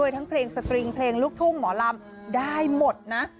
ทั้งเพลงสตริงเพลงลูกทุ่งหมอลำได้หมดนะ